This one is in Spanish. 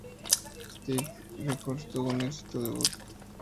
Stiff Records tuvo un exitoso debut.